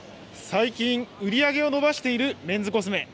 最近、売り上げを伸ばしているメンズコスメ。